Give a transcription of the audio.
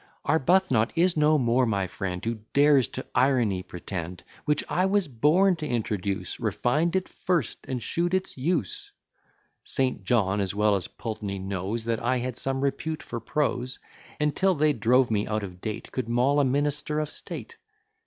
Arbuthnot is no more my friend, Who dares to irony pretend, Which I was born to introduce, Refin'd it first, and shew'd its use. St. John, as well as Pultney, knows That I had some repute for prose; And, till they drove me out of date Could maul a minister of state.